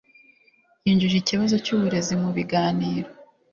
yinjije ikibazo cyuburezi mubiganiro